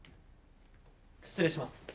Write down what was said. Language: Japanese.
失礼します。